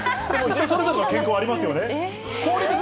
それぞれの健康ありますよね。